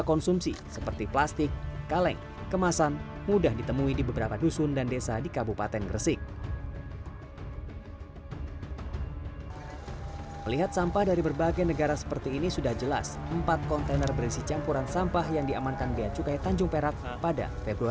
kertas bekas ini tidak hanya memiliki kertas bekas tetapi juga memiliki kertas yang berbeda